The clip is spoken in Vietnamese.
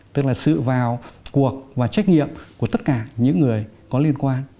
tức là sự vào cuộc và trách nhiệm của tất cả những người có liên quan